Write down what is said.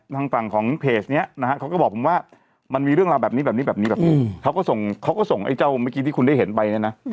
ทางฝั่งของเพจนี้นะฮะเขาก็บอกผมว่ามันมีเรื่องราวแบบนี้แบบนี้แบบนี้แบบนี้แบบนี้เขาก็ส่งเขาก็ส่งไอ้เจ้าเมื่อกี้ที่คุณได้เห็นไปเนี่ยนะ